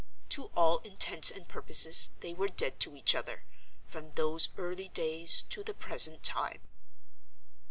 To all intents and purposes they were dead to each other, from those early days to the present time.